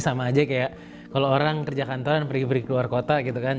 sama aja kayak kalo orang kerja kantoran pergi pergi ke luar kota gitu kan